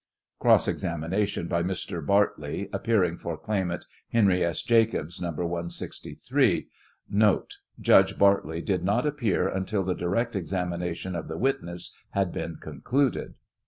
Cross examination by Mr. Bartley, appearing for claimant, Henry S. Jacobs, No. 163. (Note.— Judge Bartley did not appear until the direct examination of the witness had been' concluded.)